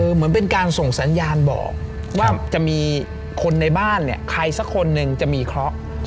เหมือนเป็นการส่งสัญญาณบอกว่าจะมีคนในบ้านเนี่ยใครสักคนหนึ่งจะมีเคราะห์